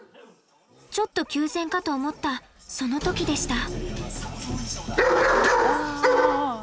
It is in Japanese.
ちょっと休戦かと思ったその時でした。